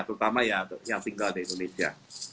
terutama ya yang tinggal di indonesia